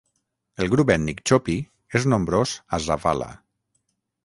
El grup ètnic chopi és nombrós a Zavala.